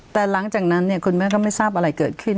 แต่หลังจากนั้นคุณแม่ก็ไม่ทราบอะไรเกิดขึ้น